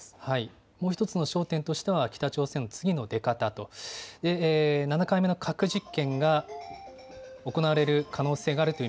もう１つの焦点としては、北朝鮮の次の出方と、７回目の核実験が行われる可能性があるとい